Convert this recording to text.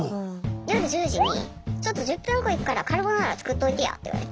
夜１０時に「ちょっと１０分後行くからカルボナーラ作っといてや」って言われて。